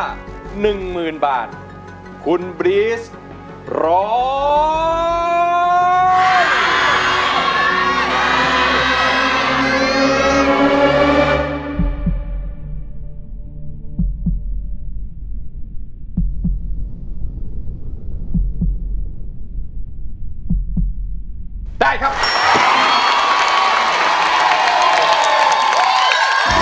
ร้องได้ร้องได้ร้องได้ร้องได้ร้องได้